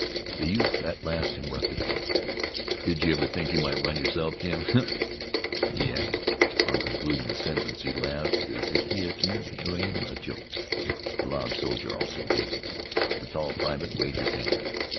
The youth at last interrupted them. "Did you ever think you might run yourself, Jim?" he asked. On concluding the sentence he laughed as if he had meant to aim a joke. The loud soldier also giggled. The tall private waved his hand.